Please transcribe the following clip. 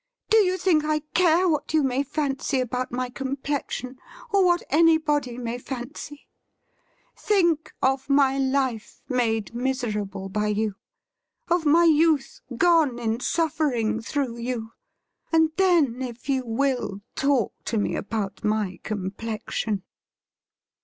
'Do you think I care what you may fancy about my complexion, or what anybody may fancy ? Think of my life made miserable by you ; of my youth gone in suffering through you ; and then, if you will, talk to me about my complexion.'